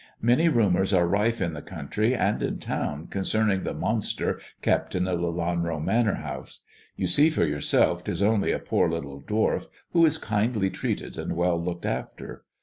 " Many rumours are rife in the country and in town concerning the monster kept in the Lelanro Manor House. You see for yourself 'tis only a poor little dwarf, who is kindly treated and well looked after.